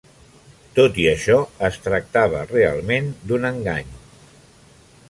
Tot i això, es tractava realment d'un engany.